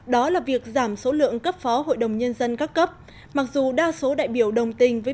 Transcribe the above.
đó là việc giảm số lượng cấp phó hội đồng nhân dân các cấp mặc dù đa số đại biểu đồng tình với